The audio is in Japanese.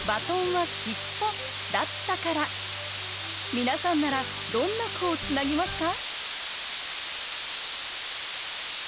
皆さんならどんな句をつなぎますか？